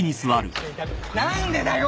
何でだよ！